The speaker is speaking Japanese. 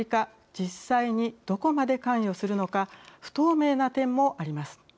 実際にどこまで関与するのか不透明な点もあります。